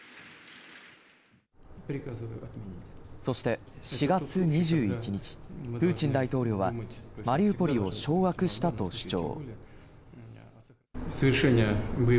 そして４月２１日、プーチン大統領はマリウポリを掌握したと主張。